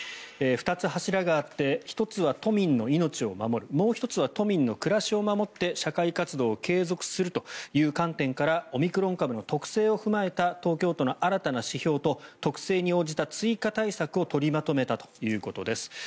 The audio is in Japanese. ２つ柱があって１つは都民の命を守るもう１つは都民の暮らしを守って社会活動を継続するという観点からオミクロン株の特性を踏まえた東京都の新たな指標と特性に応じた追加対策を取りまとめたということです。